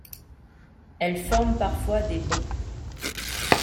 Elles forment parfois des bancs.